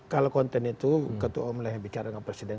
kalau konten itu ketua umum lah bicara dengan presiden